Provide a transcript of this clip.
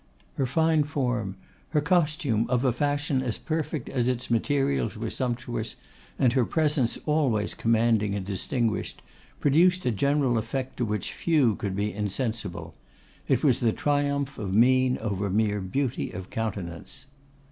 Her fine form, her costume of a fashion as perfect as its materials were sumptuous, and her presence always commanding and distinguished, produced a general effect to which few could be insensible. It was the triumph of mien over mere beauty of countenance.